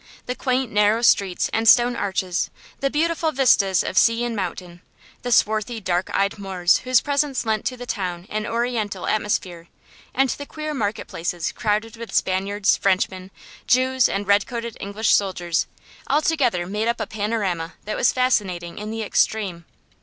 The quaint, narrow streets and stone arches, the beautiful vistas of sea and mountain, the swarthy, dark eyed Moors whose presence lent to the town an oriental atmosphere, and the queer market places crowded with Spaniards, Frenchmen, Jews and red coated English soldiers, altogether made up a panorama that was fascinating in the extreme.